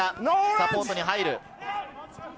サポートに入る。